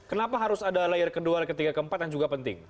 kenapa harus ada layar ke dua ke tiga ke empat yang juga penting